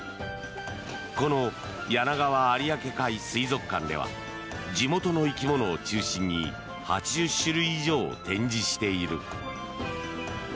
このやながわ有明海水族館では地元の生き物を中心に８０種類以上展示している。